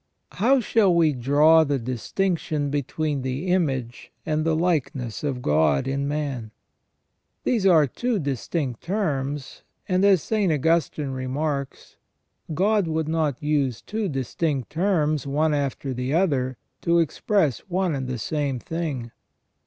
* How shall we draw the distinction between the image and the likeness of God in man ? These are two distinct terms, and as St Augustine remarks, God would not use two distinct terms one after the other to express one and the same thing.